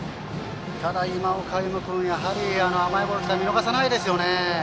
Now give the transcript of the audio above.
ただ、今岡歩夢君甘いボールが来たら見逃さないですよね。